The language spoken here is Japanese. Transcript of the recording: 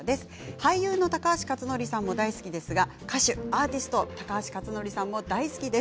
俳優の高橋克典さんも大好きですが歌手、アーティストの高橋克典さんも大好きです。